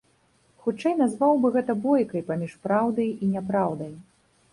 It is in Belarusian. Хутчэй, назваў бы гэта бойкай паміж праўдай і няпраўдай.